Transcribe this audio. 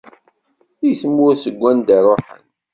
I tmurt seg wanda ruḥen.